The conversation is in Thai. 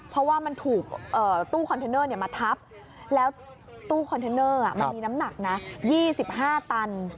เพราะว่ามันถูกตู้คอนเทนเนอร์มาทับแล้วตู้คอนเทนเนอร์มันมีน้ำหนักนะ๒๕ตัน